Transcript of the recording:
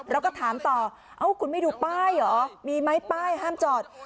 เราก็ถามต่อเอ้าคุณไม่ดูป้ายเหรอมีไหมป้ายห้ามจอด